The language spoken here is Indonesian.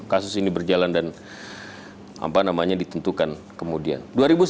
kasus ini berjalan dan apa namanya ditentukan kemudian